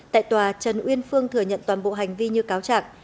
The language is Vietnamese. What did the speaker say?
tại tòa trần uyên phương thừa nhận toàn bộ hành vi như cáo trạng